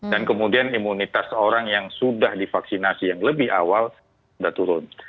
kemudian imunitas orang yang sudah divaksinasi yang lebih awal sudah turun